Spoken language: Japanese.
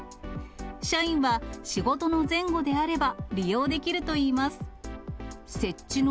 社員は仕事の前後であれば利用できるといいます。